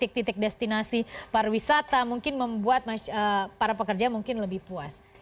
titik titik destinasi pariwisata mungkin membuat para pekerja mungkin lebih puas